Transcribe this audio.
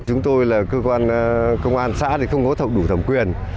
chúng tôi là cơ quan công an xã thì không có đủ thẩm quyền